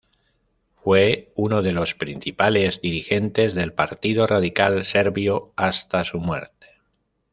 Fue uno de los principales dirigentes del Partido Radical serbio hasta su muerte.